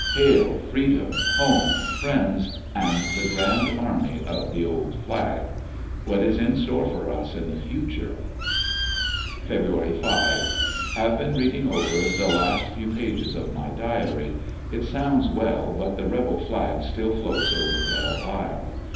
Hail! Freedom, Home, Friends, and the 30 ANDER80NVILLE DIARY. Grand Army of the Old Flag ! What is in store for us in the future ? Feb. 5. — Have been reading over the last few pages of my diary. It sounds well, but the rebel flag still floats over Belle Isle.